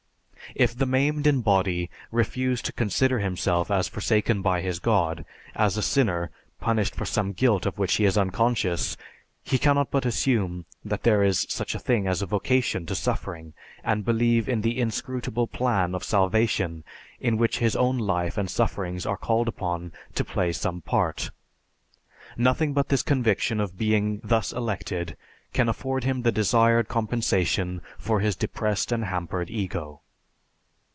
If the maimed in body refuse to consider himself as forsaken by his God, as a sinner punished for some guilt of which he is unconscious, he cannot but assume that there is such a thing as a vocation to suffering, and believe in the inscrutable plan of salvation in which his own life and sufferings are called upon to play some part. Nothing but this conviction of being thus elected can afford him the desired compensation for his depressed and hampered ego.